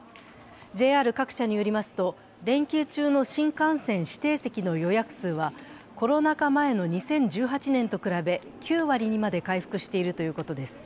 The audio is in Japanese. ＪＲ各社によりますと連休中の新幹線指定席の予約数はコロナ禍前の２０１８年と比べ９割にまで回復しているということです。